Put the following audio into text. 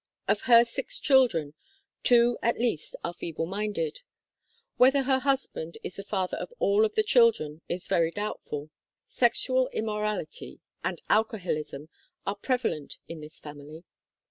Of her six children, two at least are feeble minded. Whether her husband is the father of all of the children is very doubtful. Sex ual immorality and alcoholism are prevalent in this family.